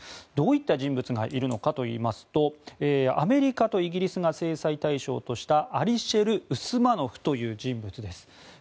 どういった人物がいるのかといいますとアメリカとイギリスが制裁対象としたアリシェル・ウスマノフという人物です。